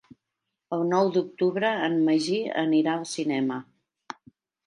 El nou d'octubre en Magí anirà al cinema.